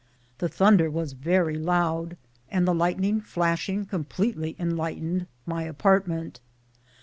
The thun der was very loud, and the lightening flashing com pletely enlightened my apartment.